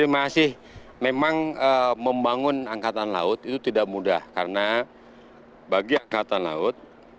masih memang membangun angkatan laut itu tidak mudah karena bagi angkatan laut